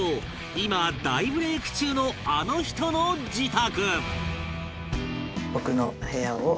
今大ブレイク中のあの人の自宅